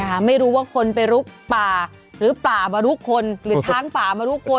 ไม่รู้ว่าคนไปลุกป่าหรือป่ามาลุกคนหรือช้างป่ามารู้คน